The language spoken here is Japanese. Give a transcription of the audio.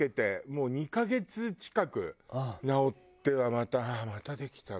もう２カ月近く治ってはまたああまたできたみたいな。